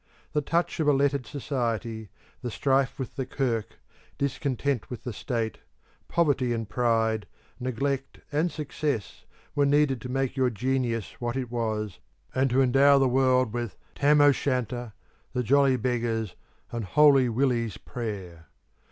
The touch of a lettered society, the strife with the Kirk, discontent with the State, poverty and pride, neglect and success, were needed to make your Genius what it was, and to endow the world with 'Tam o' Shanter,' the 'Jolly Beggars,' and 'Holy Willie's Prayer.'